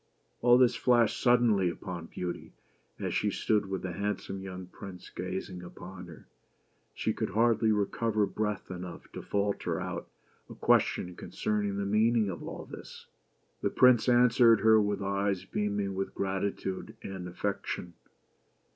All this flashed suddenly upon Beauty, as she stood with the handsome young prince gazing upon her. She could hardly recover breath enough to falter out a question concerning the meaning of all this. 103 BEAUTY AND THE BEAST . The prince answered her with eyes beaming with gratitude and affection.